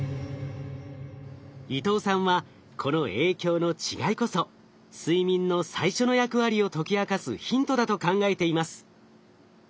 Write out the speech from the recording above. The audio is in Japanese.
伊藤さんはこの影響の違いこそ睡眠の最初の役割を解き明かすヒントだと考えています。